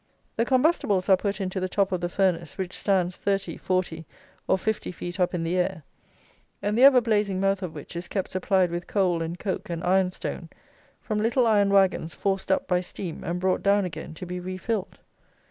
The combustibles are put into the top of the furnace, which stands thirty, forty, or fifty feet up in the air, and the ever blazing mouth of which is kept supplied with coal and coke and iron stone, from little iron wagons forced up by steam, and brought down again to be re filled.